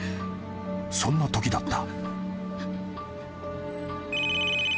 ［そんなときだった］